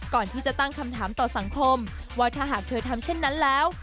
ก่อนที่จะตั้งคำถามต่อสังคมว่าถ้าหากเธอทำเช่นนั้นแล้ว